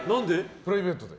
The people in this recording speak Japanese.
プライベートで？